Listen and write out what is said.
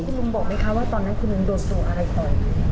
แล้วคุณลุงบอกไหมคะว่าตอนนั้นคุณลุงโดดสู่อะไรค่ะ